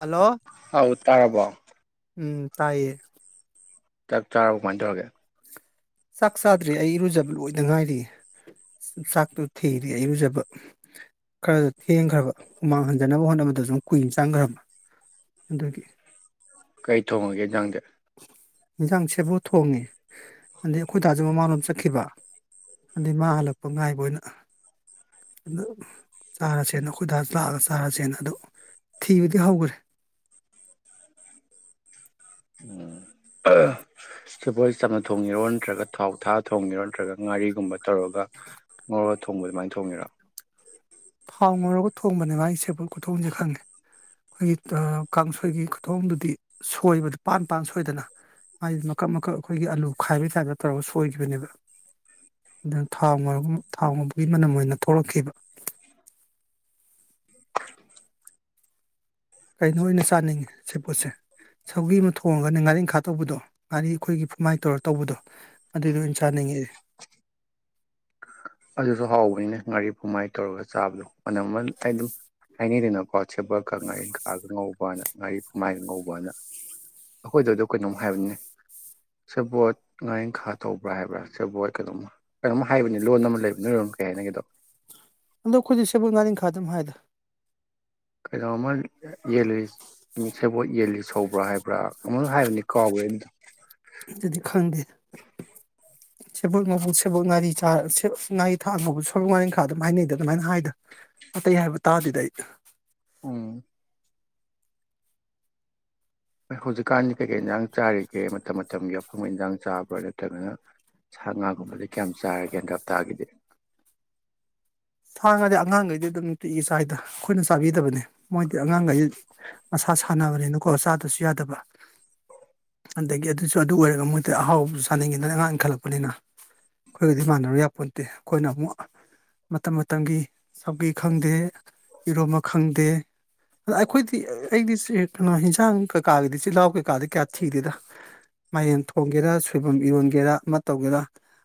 hello ꯑꯥꯎ ꯇꯥꯔꯕꯣ ꯎꯝ ꯇꯥꯏꯌꯦ ꯆꯞ ꯆꯥꯔꯣ ꯀꯃꯥꯏꯅ ꯇꯧꯔꯒꯦ ꯆꯥꯛ ꯆꯥꯗ꯭ꯔꯦ ꯑꯩ ꯏꯔꯨꯖꯕ ꯂꯣꯏꯗ ꯉꯥꯏꯔꯤ ꯆꯥꯛꯇꯣ ꯊꯤꯔꯤ ꯑꯩ ꯏꯔꯨꯖꯕ ꯈꯔꯗ ꯊꯦꯡꯈ꯭ꯔꯕ ꯍꯨꯃꯥꯡ ꯍꯟꯖꯅꯕ ꯍꯣꯠꯅꯕꯗ ꯁꯨꯝ ꯀꯨꯏꯅ ꯆꯪꯈ꯭ꯔꯕ ꯑꯗꯨꯒꯤ ꯀꯩ ꯊꯣꯡꯉꯒꯦ ꯏꯟꯖꯥꯡꯗ ꯏꯟꯁꯥꯡꯁꯦꯕ ꯊꯣꯡꯉꯦ ꯑꯗꯩ ꯑꯩꯈꯣꯏꯗꯥꯖ ꯃꯃꯥꯂꯣꯝ ꯆꯠꯈꯤꯕ ꯑꯗꯩ ꯃꯥ ꯍꯜꯂꯛꯄ ꯉꯥꯏꯕ ꯑꯣꯏꯅ ꯑꯗꯨ ꯆꯥꯔꯁꯦꯅ ꯑꯩꯈꯣꯏ ꯇꯖ ꯂꯥꯛꯑꯒ ꯆꯥꯔꯁꯦꯅ ꯑꯗꯨ ꯊꯤꯕꯗꯤ ꯍꯧꯈ꯭ꯔꯦ ꯎꯝ ꯁꯕꯣꯜ ꯆꯝꯅ ꯊꯣꯡꯉꯤꯔꯣ ꯅꯠꯇ꯭ꯔꯒ ꯊꯥꯎ ꯊꯥ ꯊꯣꯡꯉꯤꯔꯣ ꯅꯠꯇ꯭ꯔꯒ ꯉꯥꯔꯤꯒꯨꯝꯕ ꯇꯧꯔꯒ ꯉꯣꯔꯒ ꯊꯣꯡꯕ ꯑꯗꯨꯃꯥꯏꯅ ꯊꯣꯡꯉꯤꯔꯣ ꯊꯥꯎ ꯉꯧꯔꯒ ꯊꯣꯡꯕꯅꯦꯕ ꯃꯥꯒꯤ ꯁꯦꯄꯠ ꯈꯨꯊꯣꯡꯁꯦ ꯈꯪꯉꯦ ꯑꯩꯈꯣꯏꯒꯤ ꯀꯥꯡꯁꯣꯏꯒꯤ ꯈꯨꯊꯣꯡꯗꯨꯗꯤ ꯁꯣꯏꯕꯗꯨ ꯄꯥꯟ ꯄꯥꯟ ꯁꯣꯏꯗꯅ ꯃꯥꯗꯤ ꯃꯀꯛ ꯃꯀꯛ ꯑꯩꯈꯣꯏꯒꯤ ꯑꯂꯨ ꯈꯥꯏꯕꯒꯤ ꯇꯥꯏꯞꯇ ꯇꯧꯔꯒ ꯁꯣꯏꯈꯤꯕꯅꯦꯕ ꯑꯗꯨꯅ ꯊꯥꯎ ꯉꯧꯔꯒ ꯊꯥꯎ ꯉꯧꯕꯒꯤ ꯃꯅꯝ ꯑꯣꯏꯅ ꯊꯣꯛꯂꯛꯈꯤꯕ ꯀꯩꯅꯣ ꯑꯣꯏꯅ ꯆꯥꯅꯤꯡꯉꯤ ꯁꯦꯞ ꯄꯣꯠꯁꯦ ꯁꯧꯒꯤ ꯑꯃ ꯊꯣꯡꯉꯒꯅꯦ ꯉꯥꯔꯤꯪꯈꯥ ꯇꯧꯕꯗꯣ ꯉꯥꯔꯤ ꯑꯩꯈꯣꯏꯒꯤ ꯐꯨꯃꯥꯏꯅ ꯇꯧꯔꯒ ꯇꯧꯕꯗꯣ ꯑꯗꯨꯏꯗꯣ ꯑꯣꯏꯅ ꯆꯥꯅꯤꯡꯉꯤꯗꯤ ꯑꯗꯨꯁꯨ ꯍꯥꯎꯕꯅꯤꯅꯦ ꯉꯥꯔꯤ ꯐꯃꯥꯏꯅ ꯇꯧꯔꯒ ꯆꯥꯕꯗꯣ [unintelligible] ꯍꯥꯏꯅꯩꯗꯅꯀꯣ ꯁꯦꯕꯣꯠꯀ ꯉꯥꯔꯦꯟꯈꯥꯒ ꯉꯧꯕꯅ ꯉꯥꯔꯤ ꯐꯝꯃꯥꯏꯒ ꯉꯧꯕꯑꯅ ꯑꯩꯈꯣꯏꯗ ꯑꯗꯨ ꯀꯩꯅꯣꯝ ꯍꯥꯏꯕꯅꯤ ꯁꯦꯕꯣꯠ ꯉꯥꯔꯦꯟꯈꯥ ꯇꯧꯕ꯭ꯔꯥ ꯍꯥꯏꯕ꯭ꯔꯥ ꯁꯦꯕꯣꯠ ꯀꯩꯅꯣꯝꯃ ꯀꯩꯅꯣꯝ ꯍꯥꯏꯕꯅꯤ ꯂꯣꯟ ꯑꯃ ꯂꯩꯕ ꯅꯣꯏꯔꯝ ꯀꯩ ꯍꯥꯏꯅꯒꯦꯗꯣ ꯗ ꯈꯨꯣꯏꯗꯤꯁꯦꯕꯒꯥꯅꯤ ꯈꯥꯗꯨꯝ ꯍꯥꯏꯗ ꯀꯩꯅꯣꯝꯃ ꯌꯦꯜꯂꯤ ꯁꯦꯕꯣꯠ ꯌꯦꯜꯂꯤ ꯁꯧꯕ꯭ꯔꯥ ꯍꯥꯏꯕ꯭ꯔꯥ ꯑꯃ ꯍꯥꯏꯕꯅꯤ ꯀꯥꯎꯋꯦ ꯑꯗꯨꯗꯣ ꯁꯦꯕꯠ ꯃꯕꯨꯣꯛ ꯁꯦꯕꯣꯛ ꯅꯥꯔꯤ ꯆꯥ ꯉꯥꯔꯤ ꯊꯥꯛ ꯃꯕꯨꯛ ꯁꯣꯏꯕꯣꯛ ꯉꯥꯔꯤꯟꯈꯥ ꯑꯗꯨꯝ ꯍꯥꯏꯅꯩꯗ ꯑꯗꯨꯃꯥꯏꯅ ꯍꯥꯏꯗꯅ ꯑꯇꯩ ꯍꯥꯏꯕ ꯇꯥꯔꯗꯤ ꯑꯩ ꯎꯝ ꯍ ꯍꯧꯖꯤꯛꯀꯥꯟꯗꯤ ꯀꯩꯀꯩ ꯏꯟꯁꯥꯡ ꯆꯥꯔꯤꯒꯦ ꯃꯇꯝ ꯃꯇꯝꯒꯤ ꯑꯐꯪꯕ ꯏꯟꯁꯥꯡ ꯆꯥꯕ꯭ꯔꯥ ꯅꯠꯇ꯭ꯔꯒꯅ ꯁꯥ ꯉꯥꯒꯨꯝꯕꯗꯤ ꯀꯌꯥꯝ ꯆꯥꯔꯒꯦꯗ ꯍꯞꯇꯥꯒꯤꯗꯤ ꯁꯥꯥꯡꯈꯒꯗꯤ ꯑꯉꯥꯡꯈꯩꯗꯤ ꯑꯗꯨꯝ ꯅꯨꯄꯤꯤꯒꯤ ꯆꯥꯏꯗ ꯑꯩꯈꯣꯏꯅ ꯆꯥꯕꯤꯗꯕꯅꯤ ꯃꯣꯏꯗꯤ ꯑꯉꯥꯡꯈꯩ ꯃꯁꯥ ꯁꯥꯟꯅꯕꯅꯤꯅꯀꯣ ꯆꯥꯗꯁꯨ ꯌꯥꯗꯕ ꯑꯗꯒꯤ ꯑꯗꯨꯁꯨ ꯑꯗꯨ ꯑꯣꯏꯔꯒ ꯃꯣꯏꯗꯤ ꯑꯍꯥꯎꯕꯁꯨ ꯁꯥꯅꯤꯡꯉꯦꯗꯅ ꯑꯉꯥꯡ ꯏꯟꯈꯠꯂꯛꯄꯅꯤꯅ ꯑꯩꯈꯣꯏꯒꯗꯤ ꯃꯥꯟꯅꯔꯨ ꯌꯥꯄꯣ ꯅꯠꯇꯦ ꯑꯩꯈꯣꯏꯅ ꯑꯃꯨꯛ ꯃꯇꯝ ꯃꯇꯝꯒꯤ ꯆꯧꯒꯤ ꯈꯪꯗꯦ ꯏꯔꯣꯝꯕ ꯈꯪꯗꯦ ꯑꯗ ꯑꯩꯈꯣꯏꯗꯤ ꯑꯩꯗꯤ ꯀꯩꯅꯣ ꯍꯤꯟꯖꯥꯡ ꯀꯀꯥꯒꯤꯗꯤ ꯆꯤꯜꯍꯥꯎ ꯀꯩ ꯀꯥꯗ ꯀꯌꯥꯊꯤꯔꯦꯗ ꯃꯌꯦꯟ ꯊꯣꯡꯒꯦꯔꯥ ꯁꯣꯏꯕ ꯏꯔꯣꯟꯒꯦꯔ ꯑꯃ ꯇꯧꯒꯦꯔꯥ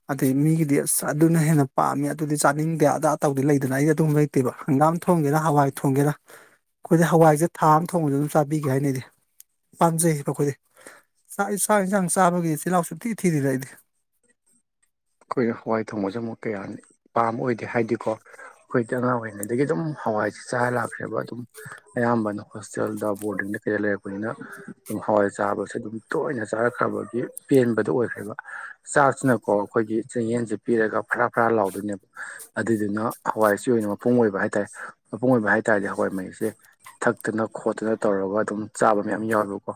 ꯑꯗꯨꯗꯩ ꯃꯤꯒꯤꯗꯤ ꯑꯁ ꯑꯗꯨꯅ ꯍꯦꯟꯅ ꯄꯥꯝꯃꯤ ꯑꯗꯨꯗꯤ ꯆꯥꯅꯤꯡ ꯑꯗꯥ ꯇꯧꯗꯦ ꯂꯩꯗꯅ ꯑꯩꯗꯤ ꯑꯗꯨꯝ ꯂꯩꯇꯦꯕ ꯍꯪꯒꯥꯝ ꯊꯣꯡꯒꯦꯔꯥ ꯍꯋꯥꯏ ꯊꯣꯡꯒꯦꯔ ꯑꯩꯈꯣꯏꯗꯤ ꯍꯋꯥꯏꯁꯦ ꯊꯥ ꯑꯃ ꯊꯣꯡꯕꯗ ꯑꯗꯨꯝ ꯆꯥꯕꯤꯒꯦ ꯍꯥꯏꯅ ꯑꯩꯗꯤ ꯄꯥꯝꯖꯩ ꯑꯩꯈꯣꯏꯗꯤꯥꯛꯥꯡ ꯏꯟꯁꯥꯡ ꯆꯥꯕꯒꯤ ꯆꯤꯜꯍꯥꯎꯁꯨ ꯊꯤ ꯊꯤꯗꯗ ꯑꯩꯗꯤ ꯑꯩꯈꯣꯏꯅ ꯍꯋꯥꯏ ꯊꯣꯡꯕꯁꯦ ꯑꯃꯨꯛ ꯀꯌꯥ ꯄꯥꯝꯕ ꯑꯣꯏꯗꯦ ꯍꯥꯏꯗꯤꯀꯣ ꯑꯩꯈꯣꯏꯗꯤ ꯑꯉꯥꯡ ꯑꯣꯏꯔꯤꯉꯩꯗꯒꯤ ꯑꯗꯨꯝ ꯍꯋꯥꯏꯁꯦ ꯆꯥꯔ ꯂꯥꯛꯈ꯭ꯔꯦꯕ ꯑꯗꯨꯝ ꯑꯌꯥꯝꯕꯅ ꯍꯣꯁꯇꯦꯜꯗ ꯕꯣꯔꯗꯤꯡꯗ ꯀꯩꯗ ꯂꯩꯔꯛꯄꯅꯤꯅ ꯑꯗꯨꯝ ꯍꯋꯥꯏ ꯆꯥꯕꯁꯦ ꯑꯗꯨꯝ ꯇꯣꯏꯅ ꯆꯥꯔꯛꯈ꯭ꯔꯕꯒꯤ ꯄꯦꯟꯕꯗ ꯑꯣꯏꯈ꯭ꯔꯦꯕ ꯆꯥꯁꯤꯅꯀꯣ ꯑꯩꯈꯣꯏꯒꯤ ꯆꯦꯡꯌꯦꯟꯁꯦ ꯄꯤꯔꯒ ꯐꯔꯥ ꯐꯔꯥ ꯂꯥꯎꯗꯣꯏꯅꯦꯕ ꯑꯗꯨꯏꯗꯨꯅ ꯍꯋꯥꯏꯁꯤ ꯑꯣꯏꯅ ꯃꯄꯨꯡ ꯑꯣꯏꯕ ꯍꯥꯏ ꯇꯥꯔꯦ ꯃꯄꯨꯡ ꯑꯣꯏꯕ ꯍꯥꯏ ꯇꯥꯔꯗꯤ ꯍꯋꯥꯏ ꯃꯍꯩꯁꯦ ꯊꯛꯇꯅ ꯈꯣꯠꯇꯅ ꯇꯧꯔꯒ ꯑꯗꯨꯝ ꯆꯥꯕ ꯃꯌꯥꯝ ꯌꯥꯎꯋꯦꯕꯀꯣ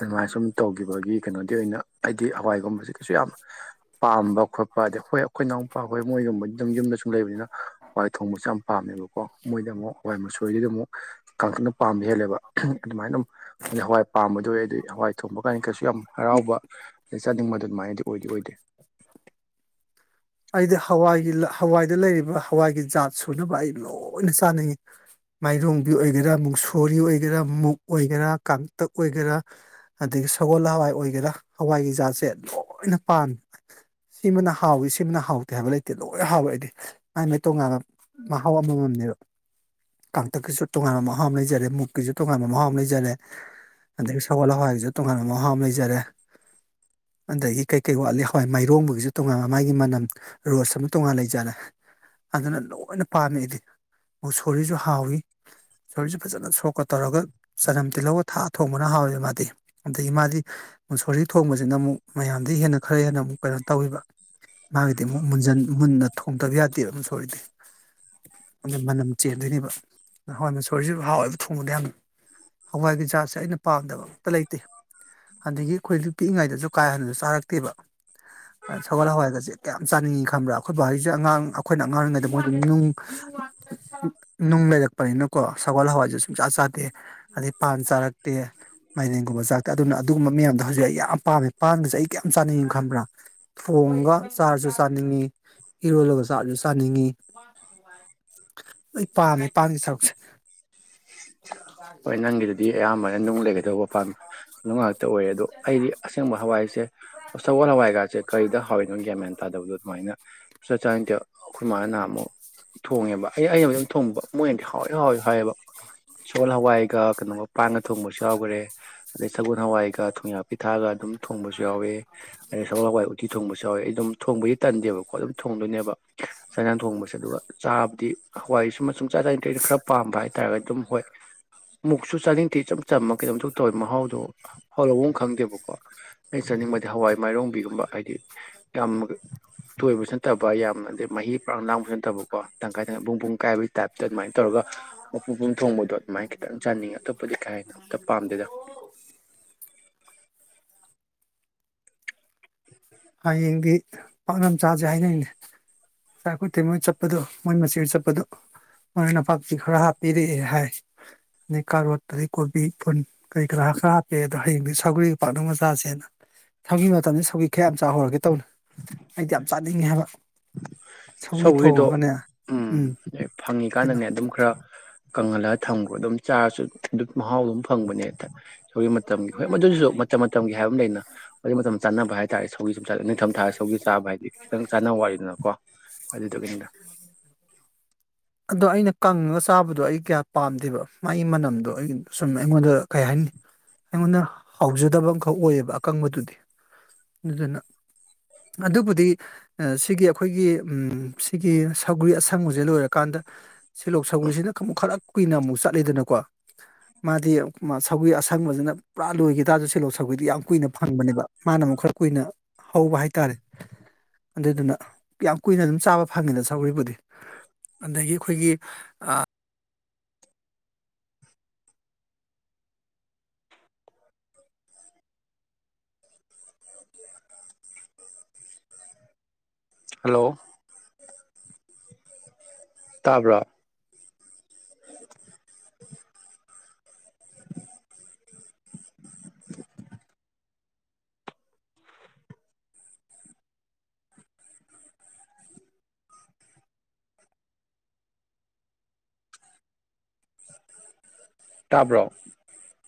ꯑꯗꯨꯃꯥꯏꯅ ꯁꯨꯝ ꯇꯧꯈꯤꯕꯒꯤ ꯀꯩꯅꯣꯗꯤ ꯑꯣꯏꯅ ꯍꯥꯏꯗꯤ ꯍꯋꯥꯏꯒꯨꯝꯕꯁꯤ ꯀꯩꯁꯨ ꯌꯥꯝ ꯄꯥꯝꯕ ꯈꯣꯠꯄ ꯑꯗꯩ ꯍꯣꯏ ꯑꯩꯈꯣꯏ ꯏꯅꯥꯎꯄꯥ ꯑꯩꯈꯣꯏ ꯃꯣꯏꯒꯨꯝꯕ ꯑꯗꯨꯝ ꯌꯨꯝꯗ ꯁꯨꯝ ꯂꯩꯕꯅꯤꯅ ꯍꯋꯥꯏ ꯊꯣꯡꯕꯁꯦ ꯌꯥꯝ ꯄꯥꯝꯃꯦꯕꯀꯣ ꯃꯣꯏꯗ ꯑꯃꯨꯛ ꯍꯋꯥꯏ ꯃꯆꯣꯏꯒꯤꯗꯤ ꯑꯃꯨꯛ ꯀꯥꯡꯀꯛꯅ ꯄꯥꯝꯕ ꯍꯦꯜꯂꯦꯕ ꯑꯗꯨꯃꯥꯏꯅ ꯍꯋꯥꯏ ꯄꯥꯝꯕꯗ ꯑꯣꯏ ꯑꯗꯨꯗꯤ ꯍꯋꯥꯏ ꯊꯣꯡꯕ ꯀꯥꯏꯅꯤ ꯀꯩꯁꯨ ꯌꯥꯝ ꯍꯔꯥꯎꯕ ꯆꯥꯅꯤꯡꯕ ꯑꯗꯨꯃꯥꯏꯅꯗꯤ ꯑꯣꯏꯗꯤ ꯑꯣꯏꯗꯦ ꯑꯩꯗꯤ ꯍꯋꯥꯏꯒꯤ ꯍꯋꯥꯏꯗ ꯂꯩꯔꯤꯕ ꯍꯋꯥꯏꯒꯤ ꯖꯥꯠ ꯁꯨꯅꯕ ꯑꯩ ꯂꯣꯏꯅ ꯆꯥꯅꯤꯡꯏꯤ ꯃꯥꯏꯔꯣꯡꯕꯤ ꯑꯣꯏꯒꯦꯔꯥ ꯃꯨꯁꯣꯔꯤ ꯑꯣꯏꯒꯦꯔꯥ ꯃꯨꯛ ꯑꯣꯏꯒꯦꯔꯥ ꯀꯥꯡꯇꯛ ꯑꯣꯏꯒꯦꯔꯥ ꯑꯗꯒꯤ ꯁꯒꯣꯜ ꯍꯋꯥꯏ ꯑꯣꯏꯒꯦꯔꯥ ꯍꯋꯥꯏꯒꯤ ꯖꯥꯠꯁꯦ ꯂꯣꯏꯅ ꯄꯥꯝꯃꯤ ꯁꯤꯃꯅ ꯍꯥꯎꯋ ꯇꯤꯝꯅ ꯍꯥꯎꯇꯦ ꯍꯥꯏꯕ ꯂꯩꯇꯦ ꯂꯣꯏ ꯍꯥꯎꯋꯦ ꯑꯩꯗꯤ ꯃꯥꯏ ꯃꯥꯏ ꯇꯣꯉꯥꯟꯕ ꯃꯍꯥꯎ ꯑꯃꯃꯝꯅꯦꯕ ꯀꯥꯡꯇꯛꯀꯤꯁꯨ ꯇꯣꯉꯥꯟꯕ ꯃꯍꯥꯎ ꯑꯃ ꯂꯩꯖꯔꯦ ꯃꯨꯛꯀꯤꯁꯨ ꯇꯣꯉꯥꯟꯕ ꯃꯍꯥꯎ ꯑꯃ ꯂꯩꯖꯔꯦ ꯑꯗꯒꯤ ꯁꯒꯣꯜ ꯍꯋꯥꯏꯒꯤꯁꯨ ꯇꯣꯉꯥꯟꯕ ꯃꯍꯥꯎ ꯑꯃ ꯂꯩꯖꯔꯦ ꯑꯗꯒꯤ ꯀꯩꯀꯩ ꯋꯥꯠꯂꯤ ꯍꯋꯥꯏ ꯃꯥꯏꯔꯣꯡꯕꯒꯤꯁꯨ ꯇꯣꯉꯥꯟꯕ ꯃꯥꯒꯤ ꯆꯅꯝ ꯔꯣꯁ ꯑꯃ ꯇꯣꯉꯥꯟ ꯂꯩꯖꯥꯠꯂꯦ ꯑꯗꯨꯅ ꯂꯣꯏꯅ ꯄꯥꯝꯃꯦꯏꯗꯤ ꯃꯨꯁꯣꯔꯤꯁꯨ ꯍꯥꯎꯋꯤ ꯃꯁꯣꯔꯤꯁꯨ ꯐꯖꯅ ꯁꯣꯛꯀ ꯇꯧꯔꯒ ꯆꯅꯝ ꯇꯤꯜꯍꯧꯒ ꯊꯥ ꯊꯣꯡꯕꯅ ꯍꯥꯎꯋꯦꯕ ꯃꯥꯗꯤ ꯑꯗꯒꯤ ꯃꯥꯗꯤ ꯃꯨꯁꯣꯔꯤ ꯊꯣꯡꯕꯁꯤꯅ ꯑꯃꯨꯛ ꯃꯌꯥꯝꯗꯒꯤ ꯍꯦꯟꯅ ꯈꯔ ꯍꯦꯟꯅ ꯑꯃꯨꯛ ꯀꯩꯅꯣ ꯇꯧꯋꯤꯕ ꯃꯥꯒꯤꯗꯤ ꯑꯃꯨꯛ ꯃꯨꯟ ꯃꯨꯟꯅ ꯊꯣꯡꯗꯕ ꯌꯥꯗꯦꯕ ꯃꯁꯣꯔꯗꯤ ꯑꯗꯨ ꯃꯅꯝ ꯆꯦꯟꯗꯣꯏꯅꯦꯕ ꯍꯋꯥꯏ ꯃꯁꯣꯔꯁꯤꯁꯨ ꯍꯥꯎꯋꯥꯏꯕ ꯊꯣꯡꯕꯗ ꯌꯥꯝ ꯍꯋꯥꯏꯒꯤ ꯖꯥꯠꯁꯦ ꯑꯩꯅ ꯄꯥꯝꯗꯕ ꯑꯝꯇ ꯂꯩꯇꯦ ꯑꯟꯗꯒꯤ ꯑꯩꯈꯣꯏ ꯄꯤꯛꯏꯉꯩꯗꯁꯨ ꯀꯥ ꯍꯦꯟꯅꯁꯨ ꯆꯥꯔꯛꯇꯦꯕ ꯁꯒꯣꯜ ꯍꯋꯥꯏꯒꯁꯦ ꯀꯌꯥꯝ ꯆꯥꯅꯤꯡꯏꯤ ꯈꯟꯕ꯭ꯔꯥ ꯑꯩꯈꯣꯏ ꯕꯥꯍꯩꯁꯦ ꯑꯉꯥꯡ ꯑꯩꯈꯣꯏꯅ ꯑꯉꯥꯡꯔꯤꯉꯩꯗ ꯃꯣꯏꯗ ꯅꯨꯡ ꯅꯨꯡ ꯂꯩꯔꯛꯄꯅꯤꯅꯀꯣ ꯁꯒꯣꯜ ꯍꯋꯥꯏꯁꯦ ꯁꯨꯡ ꯆꯥ ꯆꯥꯗꯦ ꯑꯗꯩ ꯄꯥꯟ ꯆꯥꯔꯛꯇꯦ ꯃꯥꯏꯔꯦꯟꯒꯨꯝꯕ ꯆꯥꯇꯦ ꯑꯗꯨꯅ ꯑꯗꯨꯒꯨꯝꯕ ꯃꯌꯥꯝꯗꯣ ꯍꯧꯖꯤꯛ ꯑꯩ ꯌꯥꯝ ꯄꯥꯝꯃꯦ ꯄꯥꯟꯒꯁꯦ ꯑꯩ ꯀꯌꯥꯝ ꯆꯥꯅꯤꯡꯏꯤ ꯈꯟꯕ꯭ꯔꯥ ꯊꯣꯡꯒ ꯆꯥꯔꯁꯨ ꯆꯥꯅꯤꯡꯉꯤ ꯏꯔꯣꯜꯂꯒ ꯆꯥꯔꯁꯨ ꯆꯥꯅꯤꯡꯉꯤ ꯑꯩ ꯄꯥꯝꯃꯦ ꯄꯥꯝꯃꯤ ꯁꯔꯨꯛꯁꯦ [inaudible] ꯍꯣꯏ ꯅꯪꯒꯤꯗꯨꯗꯤ ꯑꯌꯥꯝꯕꯅ ꯅꯨꯡ ꯂꯩꯒꯗꯧꯕ ꯄꯥꯝꯅꯨꯡꯇ ꯇ ꯑꯣꯏꯔꯦ ꯑꯗꯣ ꯑꯩꯗꯤ ꯑꯁꯦꯡꯕ ꯍꯋꯥꯏꯁꯦ ꯁꯒꯣꯜ ꯍꯋꯥꯏꯒꯥꯁꯦ ꯀꯔꯤꯗ ꯍꯥꯎꯏꯅꯣꯒꯦ ꯃꯥꯏꯅ ꯇꯥꯗꯕꯗꯨꯗ ꯑꯗꯨꯃꯥꯏꯅ ꯁꯨꯛꯆꯥ ꯆꯥꯅꯤꯪꯗꯦ ꯑꯩꯈꯣꯏ ꯃꯥꯥ ꯅꯍ ꯑꯃꯨꯛ ꯊꯣꯡꯉꯦꯕ ꯑꯩ ꯑꯩꯅꯝ ꯊꯣꯡꯕ ꯃꯣꯏꯅꯗꯤ ꯍꯥꯎꯋꯨ ꯍꯥꯎꯋꯨ ꯍꯥꯏꯌꯦꯕ ꯁꯣꯜ ꯍ ꯍꯋꯥꯏꯒ ꯀꯩꯅꯣꯒ ꯄꯥꯡꯒ ꯊꯣꯡꯕꯁꯨ ꯌꯥꯎꯈꯔꯦ ꯑꯗꯩ ꯁꯒꯣꯜ ꯍꯋꯥꯏꯒ ꯊꯣꯡꯌꯥ ꯄꯤꯊꯛꯑꯒ ꯑꯗꯨꯝ ꯊꯣꯡꯕꯁꯨ ꯌꯥꯎꯋꯦ ꯑꯩ ꯁꯒꯣꯜ ꯍꯋꯥꯏ ꯎꯇꯤ ꯊꯣꯡꯕꯁꯨ ꯌꯥꯎꯋꯦ ꯑꯩ ꯑꯗꯨꯝ ꯊꯣꯡꯕꯗꯤ ꯇꯟꯗꯦꯕꯀꯣ ꯑꯗꯨꯝ ꯊꯣꯡꯗꯣꯏꯅꯦꯕ ꯆꯥꯛꯏꯟꯖꯥꯡ ꯊꯣꯡꯕꯁꯦ ꯑꯗꯨꯒ ꯆꯥꯕꯗꯤ ꯍꯋꯥꯏ ꯑꯁꯨꯝꯕ ꯁꯨꯡꯆ ꯆꯥꯅꯤꯡꯗꯦ ꯈꯔ ꯄꯥꯝꯕ ꯍꯥꯏꯇꯥꯥꯔꯒꯗꯤ ꯑꯗꯨꯝ ꯍꯣꯏ ꯃꯨꯛꯁꯨ ꯆꯥꯅꯤꯡꯗꯦ ꯏꯆꯝ ꯆꯝꯝꯕ ꯀꯩꯅꯣꯝ ꯢꯇꯧ ꯇꯧꯋꯤ ꯃꯍꯥꯎꯗꯣ ꯍꯥꯎꯕꯝ ꯈꯪꯗꯦꯕꯀꯣ ꯑꯩꯅ ꯆꯥꯅꯤꯡꯕꯗꯤ ꯍꯋꯥꯏ ꯃꯥꯏꯔꯣꯡꯕꯤꯒꯨꯝꯕ ꯍꯥꯏꯗꯤ ꯌꯥꯝ ꯇꯣꯏꯕꯁꯨ ꯅꯠꯇꯕ ꯌꯥꯝꯅ ꯍꯥꯏꯗꯤ ꯃꯍꯤ ꯄꯥꯡ ꯂꯥꯡꯕꯁꯨ ꯅꯠꯇꯕꯀꯣ ꯇꯪꯈꯥꯏ ꯇꯪꯈꯥꯏ ꯄꯨꯡ ꯄꯨꯡ ꯀꯥꯏꯕꯒꯤ ꯇꯥꯏꯞꯇ ꯑꯗꯨꯃꯥꯏꯅ ꯇꯧꯔꯒ ꯃꯄꯨ ꯄꯨꯝ ꯊꯣꯡꯕꯗꯣ ꯈꯤꯇꯪ ꯆꯥꯅꯤꯡꯉꯤ ꯑꯇꯣꯞꯄꯗꯤ ꯀꯥ ꯍꯦꯟꯅ ꯑꯝꯇ ꯄꯥꯝꯗꯦꯗ ꯍꯌꯦꯡꯗꯤ ꯄꯥꯛꯅꯝꯆꯥꯁꯦ ꯍꯥꯏꯅꯩꯅꯦ ꯆꯥꯏꯈꯨꯠꯇꯦ ꯃꯣꯏ ꯆꯠꯄꯗꯣ ꯃꯣꯏ ꯃꯆꯤꯍꯣꯏ ꯆꯠꯄꯗꯣ ꯃꯣꯏ ꯅꯄꯥꯛꯄꯤ ꯈꯔ ꯍꯥꯞꯄꯤꯔꯛꯑꯦ ꯍꯥꯏ ꯑꯗꯩ ꯀꯥꯔꯣꯠ ꯑꯗꯩ ꯀꯣꯕꯤ ꯐꯨꯟ ꯀꯔꯤ ꯀꯔꯥ ꯈꯔ ꯍꯥꯞꯄꯤꯛꯑꯦ ꯑꯗꯣ ꯍꯌꯦꯡꯗꯤ ꯁꯧꯒꯔꯤꯒ ꯄꯥꯛꯅꯝꯒ ꯆꯥꯁꯦꯅ ꯁꯧꯒꯤ ꯃꯇꯝꯗ ꯁꯧ ꯈꯌꯥꯝ ꯆꯥꯍꯧꯔꯒꯦ ꯇꯧꯅꯤ ꯑꯩꯗꯤ ꯌꯥꯝ ꯆꯥꯅꯤꯡꯉꯦ ꯍꯥꯏꯕ ꯁꯧꯒꯤ ꯁꯧꯒ꯭ꯔꯤꯗꯣ ꯊꯣꯡꯉꯒꯅꯦ ꯎꯝ ꯀꯩꯅꯣ ꯐꯪꯉꯤꯀꯥꯟꯗꯅꯦ ꯑꯗꯨꯝ ꯈꯔ ꯀꯪꯍꯜꯂꯒ ꯊꯝꯒꯣ ꯑꯗꯨꯝ ꯆꯥꯔꯁꯨ ꯑꯗꯨ ꯃꯍꯥꯎ ꯑꯗꯨꯝ ꯐꯪꯕꯅꯦ ꯁꯧꯒꯤ ꯃꯇꯝꯒꯤ ꯍꯣꯏ ꯃꯗꯨꯁꯨ ꯃꯇꯝ ꯃꯇꯝꯒꯤ ꯍꯥꯏꯕ ꯑꯃ ꯂꯩꯅ ꯑꯗꯨꯒꯤ ꯃꯇꯝ ꯆꯥꯟꯅꯕ ꯍꯥꯏꯇꯥꯔꯦ ꯁꯧ ꯁꯧꯒꯤ ꯆ ꯅꯤꯡꯊꯝ ꯊꯥ ꯁꯧꯒꯤ ꯆꯥꯕ ꯍꯥꯏꯗꯤ ꯈꯤꯇꯪ ꯆꯥꯅꯕ ꯋꯥꯠꯂꯤꯗꯅꯀꯣ ꯑꯗꯨꯗꯨꯒꯤꯅꯤꯗ ꯑꯗꯣ ꯑꯩꯅ ꯀꯪꯉꯒ ꯆꯥꯕꯗꯣ ꯑꯩ ꯀꯌꯥ ꯄꯥꯝꯗꯦꯕ ꯃꯥꯒꯤ ꯃꯅꯝꯗꯣ ꯑꯩꯒꯤ ꯁꯨꯝ ꯑꯩꯉꯣꯟꯗ ꯀꯩ ꯍꯥꯏꯅꯤ ꯑꯩꯉꯣꯟꯗ ꯍꯥꯎꯖꯗꯕ ꯑꯃꯈꯛ ꯑꯣꯏꯌꯦꯕ ꯑꯀꯪꯕꯗꯨꯗꯤ ꯑꯗꯨꯗꯨꯅ ꯑꯗꯨꯕꯨꯗꯤ ꯁꯤꯒꯤ ꯑꯩꯈꯣꯏꯒꯤ ꯁꯤꯒꯤ ꯁꯧꯒꯔꯤ ꯑꯁꯪꯕꯁꯦ ꯂꯣꯏꯔꯀꯥꯟꯗ ꯁꯤꯂꯣꯛ ꯁꯧꯒꯔꯤꯁꯤꯅ ꯑꯃꯨꯛ ꯈꯔ ꯀꯨꯏꯅ ꯑꯃꯨꯛ ꯆꯠꯂꯤꯗꯅꯀꯣ ꯃꯥꯗꯤ ꯁꯧꯒꯔꯤ ꯑꯁꯪꯕꯁꯤꯅ ꯄꯨꯔꯥ ꯂꯣꯏꯈꯤ ꯇꯥꯔꯁꯨ ꯁꯤꯂꯣꯛ ꯁꯧꯒꯔꯤꯗꯤ ꯌꯥꯝ ꯀꯨꯏꯅ ꯐꯪꯕꯅꯦꯕ ꯃꯥꯅ ꯑꯃꯨꯛ ꯈꯔ ꯀꯨꯏꯅ ꯍꯧꯕ ꯍꯥꯏꯇꯥꯔꯦ ꯑꯗꯨꯗꯨꯅ ꯌꯥꯝ ꯀꯨꯏꯅ ꯑꯗꯨꯝ ꯆꯥꯕ ꯐꯪꯉꯤꯗ ꯁꯧꯒꯔꯤꯕꯨꯗꯤ ꯑꯗꯒꯤ ꯑꯩꯈꯣꯏꯒꯤ ꯍꯜꯂꯣ ꯇꯥꯕꯔ ꯇꯥꯕ꯭ꯔꯣ